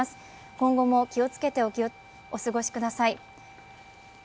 今後も気をつけてお過ごしください。